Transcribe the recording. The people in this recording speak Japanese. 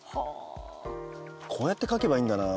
こうやって書けばいいんだな。